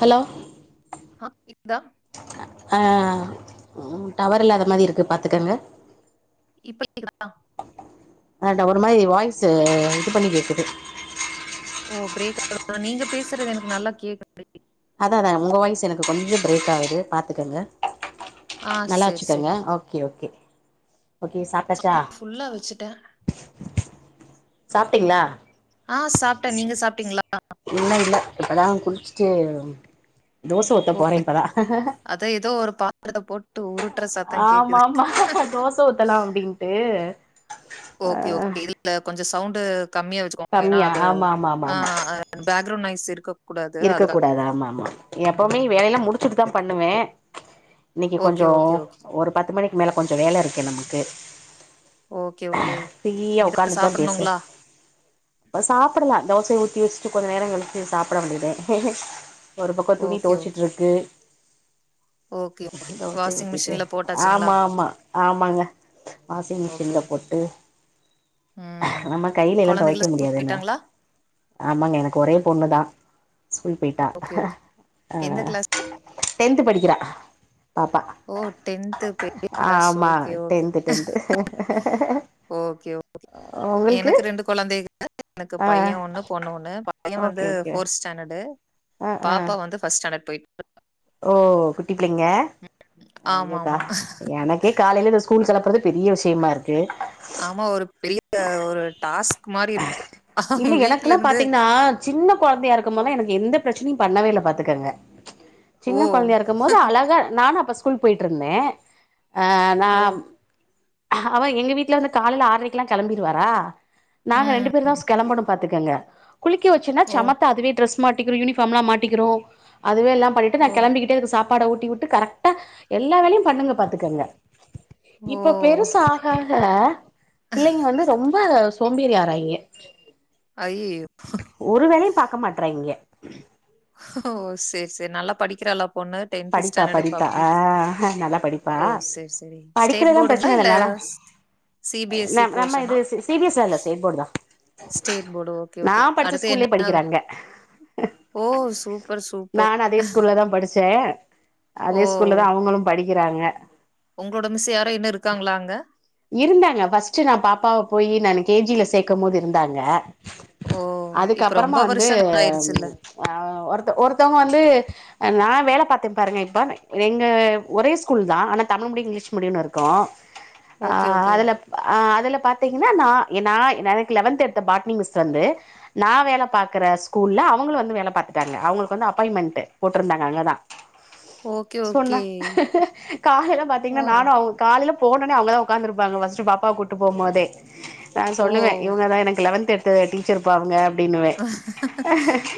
Hello ஹா கேக்தா ஆ உ டவர் இல்லாத மாரிருக்கு பாத்துக்கங்க இப்ப கேக்குதா அ ட ஒரு மாரி வாய்சு இது பண்ணி கேக்குது ஓ பிரேக்காகுதா நீங்க பேசுறது எனக்கு நல்லா கேக்குது அதா அதா ஒங்க வாய்ஸ் எனக்கு கொஞ்சோ பிரேக் ஆகுது பாத்துக்கங்க ஆ நல்லா செரி வச்சுக்கங்க செரி ஓகே ஓகே ஓகே சாப்டாச்சா ஃபுல்லா வச்சுட்டே சாப்ட்டீங்களா ஆ சாப்ட்டே நீங்க சாப்ட்டீங்களா இன்னு இல்ல இப்பதா குளிச்சுட்டு தோச ஊத்த போறே இப்பதா பழத போட் ஆமாமா தோச ஊத்தலா அப்டின்ட்டு ஆ ஓகே ஓகே இதுல கொஞ்சோ சவுண்டு கம்மியா வச்சுக்கோங்க ஏனா கம்மியா அது ஆமா ஆமா ஆமா ஆ ஆமா பேக்ரவுன் நாய்ஸ் இருக்கு இருக்க கூடாதா ஆமா ஆமா எப்பவுமே ம் வேலையெல்லா முடிச்சுட்டு தா பண்ணுவே இன்னைக்கு ஓகே கொஞ்சோ ஓகே ஓகே ஒரு பத்து மணிக்கு மேல கொஞ்சொ வேலருக்கு நமக்கு ஓகே ஓகே ஃப்ரீயா இனிதா சாப்புட்னுங்களா ப்ப சாப்படலா தோசைய ஊத்தி வச்சுட்டுக் கொஞ்ச நேரோ கலிச்சு சாப்ட வேண்டியதே ஒரு பக்கோ துணி ஓகே ஓகே தொவச்சிட்டுருக்கு ஓகே ஓகே தோசையு வாஷிங் ஊத்திட்டு மிஷின்ல போட்டாச்சுங்களா ஆமா ஆமா ஆமாங்க வாசிங் ஓகே மிஷின்ல ஓகே பொட்டு ம் நம்ம கையிலயெல்லா கொழந்தைகளா தொவைக்க ஸ்கூல் முடியாதுல போயிட்டாங்களா ஆமாங்க எனக்கு ஒரே பொண்ணு தா ஸ்கூல் போயிட்டா ஓகே ஓகே ஆ எந்த கிளாஸ் டென்த் படிக்கிறா பாப்பா ஓ பெரிய கிளாஸ் ஆமா okay, tenth tenth okay okay உங்களுக்கு எனக்கு ரெண்டு கொழந்தேக எனக்கு ஆ பைய ஒண்ணு பொண்ணு ஒண்ணு பையன் ஓகே வந்து ஓகே ஃபோர்த் ஸ்டாண்டர்ட் து ஆ ஆ பாப்பா வந்து ஃபஸ்ட்ஸாண்டர்ட் போயிட் ஓ குட்டிப் பிள்ளைங்க ஐயோக்கா ஆமாமா. ஆமா எனக்கே காலைல இந்த ஸ்கூ ஸ்கூல் கெலப்புறது பெரிய விஷயமாருக் ஆமா ஒரு பெரிய ஒரு டாஸ்க் மாரி இருக்கு இல்ல எனக்குலா வீட்லருந்து பாத்தீங்ன்னா சின்ன கொழந்தையா இருக்கும் போலா எனக்கு எந்தப் ப்ரச்சனையும் பண்ணவேல்ல பாத்துக்கங்க ஓ, சின்ன கொழந்தையாருக்கு போது அழகா நானு அப்ப ஸ்கூ கூல் போய்ட்டுருந்தே அ நா ஓ, அவ எங்க வீட்லந்து காலைல ஆர்ரைக்குலா கெளம்பிறுவாரா நாங்க ரெண்டு பேருந்தான் ம். ஸ் கெளம்பனும் பாத்துக்கங்கக் குளிக்க வச்சன்னாச் ஓ, சமத்தா அதுவே டிரஸ் மாட்டிக்கிரும் யூனிஃபார்ம்லாம் மாட்டிக்கிரும் அதுவே எல்லா ட்டு ஓ, நாக் கெளம்பிக்கிட்டேதுக்கு சாப்பாட ஊட்டி விட்டுக் கரெக்டா எல்லா வேலையு பண்ணுங்க பாத்துக்கங்க ஓ! இப்பொ பெருசா ஆஹ ஆஹப் பிள்ளைங்க வந்து ரொம்ப சோம்பேறி ஆராய்ங்க ஐயய்யோ! ஒரு வேலயும் பாக்க மாட்ராய்ங்க ஓ சேர் சேரி நல்லா படிக்கிறலாப் பொண்ணுட் டென்த் படிப்பா ஸ்டாணடு படிப்பா ஆ பப்ளிக் நல்லா படிப்பா ஓ சேரி சேரி ஸ்டேட் படிக்கிறதெல்லா போடுங்ளா பிரச்சன இல்ல இல்லங்க ஆனா ஸ் சிபிஎஸ்சி நம் நம்ம இது போஷனா சி பி எஸ் இல்ல ஸ்டேட் போர்டு தா ஸ்டேட் போர்டு ஓகே நா ஓகே படிச்ச அடுத்து என்ன ஸ்கூல்லயே ஆக படிக்கிறாங்க ஓ சூப்பர் சூப்பர் ச ஓ அதே ஸ்கூல்ல தா அவங்களு படிக்கிறாங்க உங்களோட மிஸ் யாரோ இன்னு இருக்காங்களா அங்க இருந்தாங்க பஸ்ட் நான் பாப்பாவை போய் நெனைக் கேஜில சேக்கும் போது இருந்தாங்க ஓ இப்ப அதுக்கப்பறமா ரொம்ப வந்து வருஷங்கள் ஆயிருச்சுல்ல அ ஒருத்த ஒருத்தங்க வந்து நா வேல பாத்து பாருங்க இப்ப எங்க ஒரே ஸ்கூல் தான் ஆனா தமிழ் மீடியம் இங்கிலீஷ் மீடியம்னு இருக்கு ஆ ஓகே ஓகே அதுல ஆ அதுல பத் திங்னா நா நா எனக்கு லெவன்த் எடுத்த பாட்னி மிஸ் வந்து நா வேல பாக்கற ஸ்கூல்ல அவ அவங்களும் வந்து வேல பாத்துட்டாங்க அவங்களுக்கு வந்து அப்பாயின்மெண்ட் போட்டிருந்தாங்க அங்கதா ஓகே சொன்ன ஓகே காலையில ஓ பாத்தீங்கன்னா நானு அவங்க காலையில போனனே அவங்கதா உக்காந்துருப்பாங்க ஃபர்ஸ்ட் பாப்பா கூட்டு போக போதே நா ஓ சொல்லுவ இவங்கதா எனக்கு லெவன்த் எடுத் த டீச்சர்பா அவங்க அப்படின்னுவ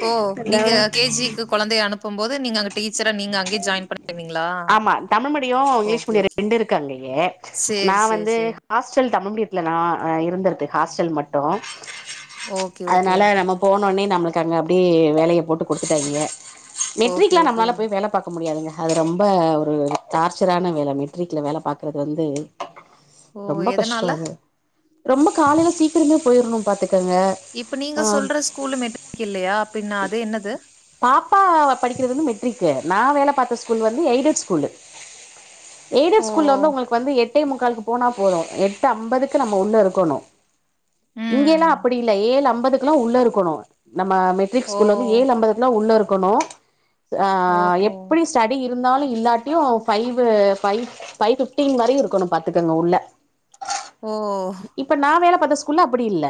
ஓ நீங்க கேஜிக்கு கொழந்தைய அனுப்பும்போது நீங்க அங்க டீச்சரா நீங்க அங்கேயே ஜாயின் பண்ணிருந்தீங்களா ஆமா Tamil medium English okay medium okay ரெண்டு இருக்கு அங்கயே நா சேரி சேரி வந்து சேரி ஹாஸ்டல் தமிழ் மீடியத்துல நா இருந்திருது ஹாஸ்டல் மட்டு ஓகே ஓகே அதனால நம்ம போனோனே நம்மளுக்கு அங்க அப்படி வேலைய போட்டு கொடுத்துட்டாங்க ஓகே ட்ரீக்லா ஓகே நம்மலால வேல பாக்க முடியாதுங்க அது ரொம்ப ஒரு டார்ச்சரான வேல மெட்ரிக்ல வேல பாக்குறது வந்து ஓ ரொம்ப கஷ்ட எதனால அது ரொம்ப காலையில சீக்கிரமே போயிரணு பாத்துக் இப்ப நீங்க சொல்ற ஸ்கூலு மெட்ரிக்கு இல்லையா அப்டின்னா அது என்னது பாப்பா படிக்கிறது வந்து மெட்ரிக்கு நா வேல பாத்த ஸ்கூல் வந்து எய்டட் ஸ்கூலு எய்ட ஓ ஸ்கூல வந்து உங்களுக்கு வந்து எட் ட்டே முக்காலுக்கு போனா போது எட்டு ஐம்பதுக்கு நம்ம உள்ள இருக்கணு இங்கல்லா ம் அப்படி இல்ல ஏழு அம்பதுக்குல்லா உள்ள இருக்கணு நம்ம மெட்ரிக் ஓ ஸ்கூல வந்து ஏழு ஐம்பதுல உள்ள இருக்கணு ஆ ஓ எப்படி ஸ்டடி இருந்தாலு இல்லாட்டியு ஃபைவ் ஃபைவ் ஃபைவ் ஃபிப்டின் வரையும் இருக்கணு பாத்துக்கங்க உள்ள ஓ இப்ப நா வேல பாத்த ஸ்கூல்ல அப்படி இல்ல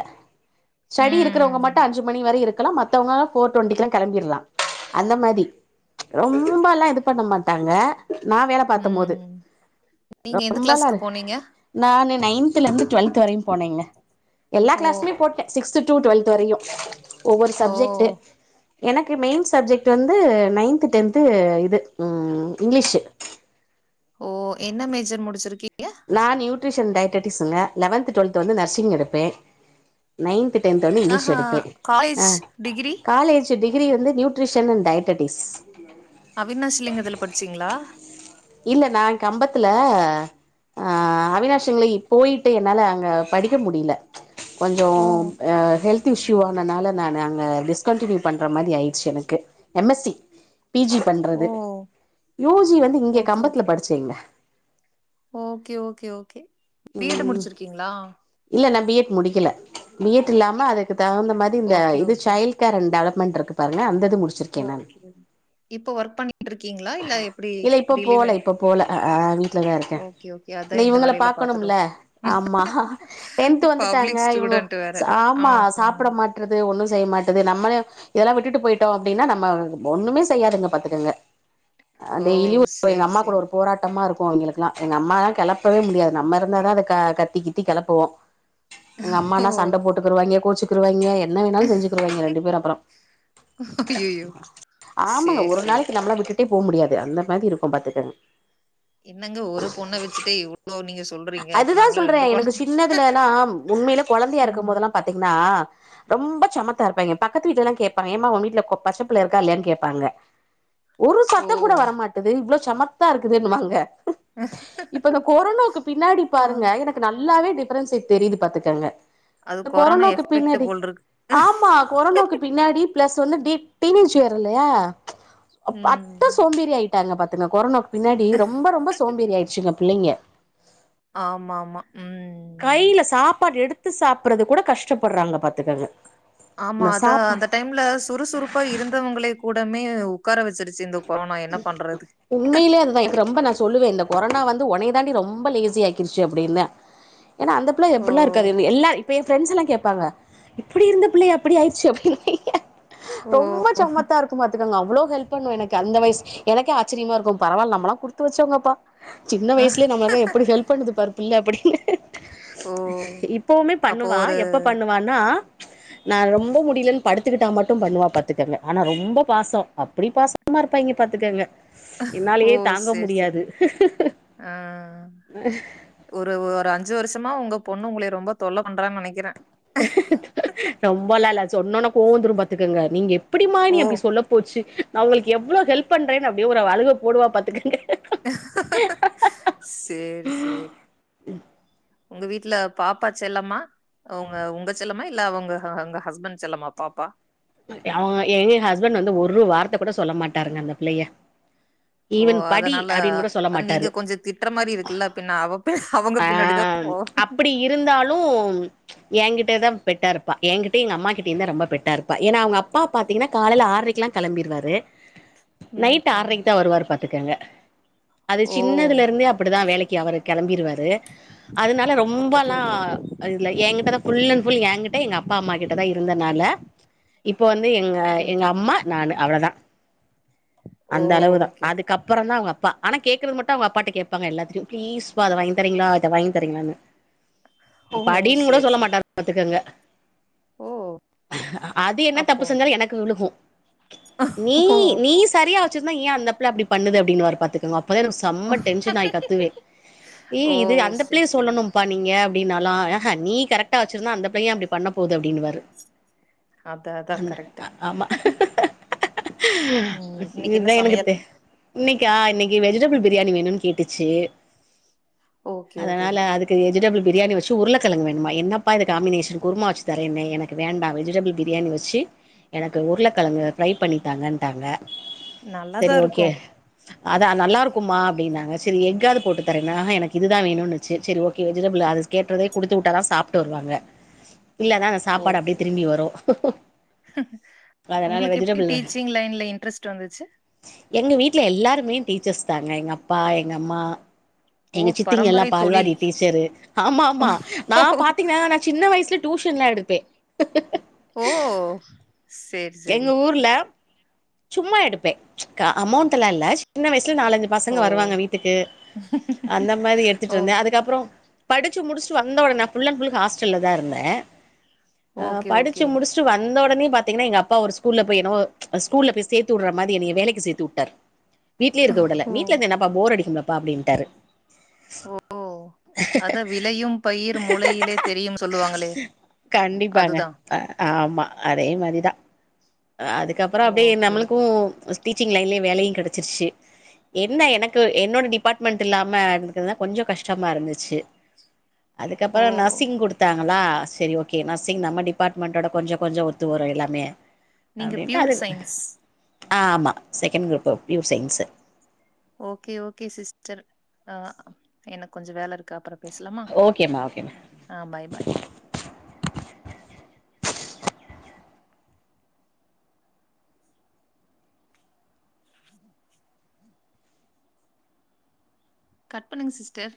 ஸ்டடி இருக்கிறவங்க ம் மட்டு அஞ்சுமணி வர இருக்கலா மத்தவங்க ஃபோர்டொன்டி கெலா கெளம்பிடலா அந்த மாரி ச் ரொம்பல்லா இது பண்ண மாட்டாங்க நா வேல பார்த்த போது ம் நீங்க எந்த ரொம்பல்லா கிளாஸ்க்கு போனீங்க? நா நைன்தல இருந்து டுவெல்த் வரையும் போனீங்க எல்லா ஓ கிளாஸ்மே போட்டே சிக்த் டு டுவெல்த் வரையு ஒவ்வொரு ஓ சப்ஜெக்ட் எனக்கு மெயின் சப்ஜெக்ட் வந் து நைன்த டென்து இது இங்கிலீஷ் ஓ என்ன மேஜர் முடிச்சிருக்கி நா நியூட்ரிஷன் டயடடிக்ஸ்ங்க லெவன்த் டுவல்த் வந்து நர்சிங் எடுப்பே நைன்த் டென்த் வந்து இங்கிலீஷ் ஆஹா எடுப்பே ஆ காலேஜ் டிகிரி காலேஜ் டிகிரி வந்து நியூட்ரிஷன் அண்ட் டயடடிக்ஸ் அவினாஷிலிங்கத்துல படிச்சீங்களா இல்ல நா கம்பத்துல அ அவினாஷிங்கள போயிட்டு என்னால அங்க படிக்க முடியல கொஞ்ச ஓ ஹெல்த் இஷ்யு னால நானு அங்க டிஸ்கின்டின்யூ பண்ற மாதிரி ஆயிடுச்சு எனக்கு M S C P G பண்றது ஓ யூ ஜி வந்து இங்க ஓகே கம்பத்துல ஓகே படிச்சேங்க okay okay okay B Ed ம் முடிச்சிருக்கீங்களா இல்ல நா பி எட் முடிக்கல பி எட் இல்லாம இப்ப- அதுக்கு தகுந்த மாரி இந்த ஓகே இது okay child care and development இருக்கு பாருங்க அந்த இது முடிச்சிருக்கே நானு இப்ப ஒர்க் பண்ணிகிட்டு இருக்கீங்களா இல்ல எப்டி இல்ல இப்ப ரிலீவ் போல ஆயி இப்ப போல வீட்லதா இருக்கே ஓகே ஓகே அதா இந்தா இந்த இவங்கள வேலையில பாத்துட்டு பாக்கணும்ல இருக்கோம். ஆமா டென்த் வந்துட்டாங்க பப்ளிக் இவங்க ஸ்டூடெண்ட் வேற ஆமா சாப்பிட மாட்றது ஒன்னு செய்ய மாட்டது நம்மளே இதல்லாம் விட்டுட்டு போயிட்டோம் அப்டின்னா நம்ம ஒண்ணுமே செய்யாதுங்க பாத்துக்கங்க அ ஓ டெய்லியும் எங்க சேரி அம்மா கூட சேரி ஒரு போராட்டமா இருக் க்கும் எங்களுக்கெல்லா எங்க அம்மாலா கெளப்பவே முடியாது நம்ம இருந்தாதா அத கத்திகித்தி கெளப்புவோ எங்க ஓ அம்மான்னா சண்ட போட்டுக்குருவாய்ங்க கோச்சுக்குருவாய்ங்க என்ன வேணாலும் செஞ்சுக்குருவாய்ங்க ரெண்டு பேரு அப்றொ ஐயையோ ஆமாங்க சேரி ஒரு சேரி நாளைக் நம்ளா விட்டுட் டே போ முடியாது அந்த மாதி இருக்கும் பாத்துக்கங் என்னங்க ஒரு பொண்ண வெச்சுட்டே இவ்ளோ நீங்க சொ அதுதா சொல்றே எனக்கு சின்னதுலல்லா உண்மயில கொழந்தியா இருக்கும் ம் போதெல்லா பாத்தீங்னா அ ரொம்ப சமத்தா இருப்பாய்ங்க பக்கத்து வீட்டுலலாம் கேப்பாங்க ஏம்மா உ வீட்ல பச்சப்புள்ள இருக்கா இல்லயான் கேப்பாங்க [inaudible] ஒரு ஓ சத்தம் கூட வரமாட்டுது இவ்ளோ சமத்தா இருக்குதுன்னுவாங்க இப்ப இந்த கொரொனோக்கு பின்னாடி ஓ பாருங்க எனக்கு நல்லாவே டிப்ரன்ஸ்ஸேட் தெரியுது பாத்துக்கங்க அது கொரோனா கொரோனோக்கு எஃபெக்ட் பின்னாடி போல்ருக்கு ஆம்மா கொரோனோக்கு பின்னாடி பிளஸ் வந்து டீன் டீன் ஏஜ் வேர் இல்லயா அப் ம் அட்ட சோம்பேறி ஆய்ட்டாங்க பாத்துங்க கொரொனோக் பின்னாடி ரொம்ப ரொம்ப சோம்பேறி ஆய்ச்சுங்க பிள்ளைங்க ஆம்மா ஆமா ம் து சாப்பிறதுக்கூட கஷ்டப்படுறாங்க பாத்துக்கங்க ஆமா இந்த அதா அந்த சாப்பாடு டைம்ல சுறுசுறுப்பா இருந்தவுங்ளே கூடமே உக்கார வெச்சிடுச்சி இந்தக் உண்மையிலே அதுதான் எனக் ரொம்ப நா சொல்லுவேன் இந்த கொரனா வந் உனய தாண்டி ரொம்ப லேசி ஆக்கிருச்சு அப்டின்ன என்னா அந்த புள ஓ எப்ட்லா இருக்காது எல்லார் இப்பயெ பிரண்ட்ஸ்ல்லா கேப்பாங்க இப்பிடி இருந்த பிள்ளையா இப்டி ஆய்ட்ச்சு அப்டின் ஓ ரொம்ப சமத்தா இருக்கும் பாத்துக்கங்க அவ்ளோ ஹெல்ப் பண்ணும் எனக்கு அந்த வய்ஸ் எனக்கே ஆச்சிரியம்மா இருக்கும் பரவால் நம்மல்லா குடுத்து வச்சோங்கப்பா சின்ன வயசுலே நம்மக்கு எப்பிடி ஹெல்ப் பண்ணுது பார் இல்ல அப்படின் ஓ இப்பவுமே அப்போ பண்ணுவா ஒரு எப்ப பண்ணுவான்னா நா ரொம்பொ முடிலன் படுத்துக்கிட்டா மட்டும் பண்ணுவா பாத்துக்கங்க ஆனா ரொம்ப பாசம் அப்படி பாசமா இருப்பாய்ங்க பாத்துக்கங்க ஓ என்னாலயே தாங்க சேரி சேரி முடியாது ஆ ஒரு ஒரு அஞ் சு வருஷமா உங்க பொண்ணு உங்களய ரொம்ப தொல்ல பண்றா நெனக்கிறேன் ரொம்போலா ல்ல சொன்னோன்ன கோவந்துரு பாத்துக்கங்க நீங்கெப் டிம்மா நி ஓ அப்டி சொல்ல போச்சி நா உங்களுக்கு எவ்ளோ ஹெல்ப் பண்றேன்னு அப்டியே ஒரு அவ அழுக போடுவா பாத்துக்கங்க சேரி சேரி உங்க வீட்ல பாப்பா செல்லமா அவ்ங்க உங்க செல்லமா இல்ல அவுங்க அவ்ங்க ஹஸ்பண்ட் செல்லமா பாப்பா அவ்ங்க ஏ ஹஸ்பண்ட் வந்து ஒரு வார்த்த கூட சொல்ல மாட்டார்ங்க அந்த பிள்ளய ஓ அதனால அது நீங்க கொஞ்ச திட்டற மாரி இருக்குல்ல பின்ன அவப்பேச அ அப்பிடி இருந்தாலும் எங்கிட் டேதாம் பெட்டாருப்பா எங்கிட்ட எங்அம்மா கிட்யுந்தா ரொம்ப பெட்டா இருப்பா ஏன்னா அவ்ங்கப்பா பாத்தீங்கனா காலல ஆர்ரிக்கெல்லா கெளம்பிரு வரு ம் நைட் ஆற்ரைக்கு தா வருவாரு பாத்துக்கங்க அது ஓ சின்னதுலருந்தே அப்படிதா வேலைக்கு அவரு கெளம்பிருவாரு து அதனால ஓகே ரொம்பல்லா ஓகே இல என்கிட்ட தா புல் அண்ட் புல் எங்கிட்ட எங்க அப்பா அம்மா கிட்ட தா இருந்தனால இப்போ வந்து எங்க ஓகே எங்க ஓகே அம்மா நானு அவ்ளதா ஓ அந்த அளவு தா ஓகே அதுக்கப்பறந்தா அவ்ங்க அப்பா ஆனா கேக்குறது மட்டும் அவ்ங்க அப்பாட்ட கேப்பாங்க எல்லாத்தியு பிளீஸ் பா அத வாங்கின் தரீங்களா அத வாங்தரீங்ளானு ஓ படீன் குட சேரி சொல்ல சேரி மாட்டாரு பாத்துக்கங்க ஓ அது என்ன தப்பு அப்போ செஞ்சாலு எனக்கு விழுகு நீ ஓ நீ சரியா வச்சுருந்தா ஏன் அந்தப்புள்ள அப்டி பண்ணுது அப்டின்வாரு பாத்துக்கொங்கப் ப்பதா என்க் செம்ம டென்ஷன் ஆய் கத்துவேன் ஏ ஓ இது அந்த சேரி பிள்ளய சேரி சொல்லணும்ப்பா நீங்க அப் ப்டின்னாலும் நீ கரெட்டா வச்சிருந்தா அந்த பிளையும் அப்டி பண்ண போது அப்டின்னுவாரு அதா அதா அந்த கரெக்ட்டு ஆமா [inaudible] ம் இன்னைக்கு என்ன இத்தான் எனக்கு சமையல் தெ இன்னிக்கா ஆ இன்னிக் வெஜிடபிள் பிரியாணி வேணும்னு கேட்டுச்சு ஓகே, ஓகே. அதனால அதுக்கு வெஜிடபிள் பிரியாணி வச்சு உருளைக்கிழங்கு வேணுமா என்னப்பா இது காம்பினேஷன் குருமா வச்சு தரேன்னே எனக்கு வேண்டா வெஜிடபிள் பிரியாணி வச்சு எனக்கு உருளைக்கிழங்கு பிரை பண்ணித்தாங்கட்டாங்க நல்லாதா இருக்கு அத நல்லாக்குமா அப்படின்னாங்க சரி எக்காவது போட்டு தரே எனக்கு இதுதான் வேணுனுச்சு சரி ஓகே வெஜிடபிள் அது கேட்டதே குடுத்து விட்டாதா சாப்பிட்டு வருவாங்க இல்லான அந்த சாப்பாடு ஓகே. அப்படியே திரும்பி வரும் உங்களுக்கு எப்படி டீச்சிங் லைன்ல இன்ட்ரெஸ்ட் வந்துச்சு எங்க வீட்டுல எல்லாருமே டீச்சர்ஸ் தாங்க எங்க அப்பா எங்க அம்மா ஓ! எங்க சித்திங்க எல்லா பரம்பரை பால்வாடி தொழில். டீச்சரு ஆமா ஆமா நான் பாத்தீங்கன்னா நான் சின்ன வயசுல டியூஷன்லா எடுப்பேன் ஓ சரி, சரி. எங்க ஊர்ல சும்மா எடுப்பே அமௌண்ட் எல்லாம் இல்ல சின்ன வயசல சுல நாலஞ்சு பசங்க ஓ! வருவாங்க வீட்டுக்கு அந்த மாதிரி எடுத்துட்டு ஓ! இருந்தே அதுக்கப்புற படிச்சு முடிச்சு வந்த உட நான் புல் அன் புல் நா ஹாஸ்டல்ல தா இருந்தே அ ஓகே, படிச்சு ஓகே. முடிச்சுட்டு வந்த உடனே பாத்தீங்கன்னா எங்க அப்பா ஒரு ஸ்கூல்ல போய் என்மோ ஸ்கூல்ல போய் சேத்து வுடுற மாரி என்ன வேலைக்கு சேத்து வுட்டார் வீடலயே இருக்க வுடல ஓ! வீட்ல இருந்தா என்னப்பா போர் அடிக்கும்ல ப்பா அப்படின்ட்டாரு ஓ அத விளையும் பயிர் மூளையிலே தெரியும் சொல்லுவாங்களே கண்டிப்பாங்க அதுதான். ஆமா அதே மாரிதா அதுக்கப்புற அப்படியே ஓகே, நம்மளுக்கு ஓகே. டீச்சிங் லைன்லயே வேலையு கிடைச்சிருச்சு என்ன எனக்கு என்னோட டிபார்ட்மெண்ட் இல்லாம இருந்தக்கிறதுதா கொஞ்ச கஷ்டமா இருந்துச்சு ஓ! அதுக்கப்புற நர்சிங் குடுத்தாங்க கலா சரி ஓகே நர்சிங் நம்ம டிபார்ட்மெண்டோட கொஞ்ச கொஞ்ச ஒத்து வரும் எல்லாமே நீங்க பியூர் சைன்ஸ் ஆ ஆமாம் second group of pure science okay okay sister ஆஹ் எனக்கு கொஞ்ச வேலை இருக்கு அப்புற பேசலாமா ஓகேம்மா ஓகேம்மா ஆ பாய் பாய் கட் பண்ணுங்க சிஸ்டர்